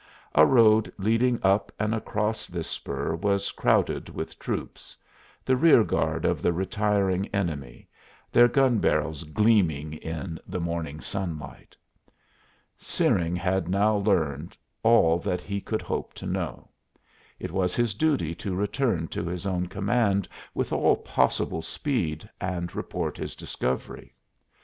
A road leading up and across this spur was crowded with troops the rear guard of the retiring enemy, their gun barrels gleaming in the morning sunlight. Searing had now learned all that he could hope to know. It was his duty to return to his own command with all possible speed and report his discovery.